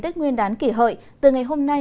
tết nguyên đán kỷ hợi từ ngày hôm nay